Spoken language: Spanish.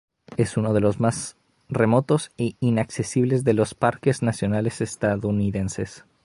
Es uno de los más remotos e inaccesibles de los parques nacionales estadounidenses.